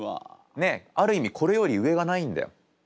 ねっある意味これより上がないんだよ。